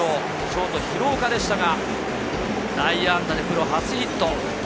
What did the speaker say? ショート・廣岡でしたが、内野安打でプロ初ヒット。